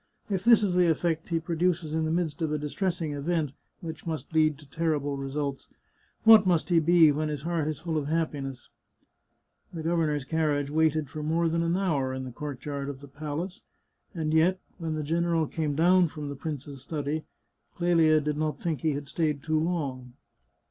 If this is the effect he produces in the midst of a distressing event, which must lead to terrible results, what must he be when his heart is full of happiness ?" The governor's carriage waited for more than an hour in the courtyard of the palace, and yet, when the general came down from the prince's study, Clelia did not think he had stayed too long.